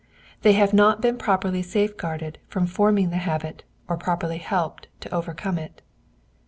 They have not been properly safeguarded from forming the habit or properly helped to overcome it.